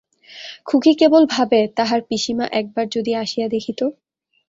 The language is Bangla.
খুকী কেবল ভাবে, তাহার পিসিমা একবার যদি আসিয়া দেখিত!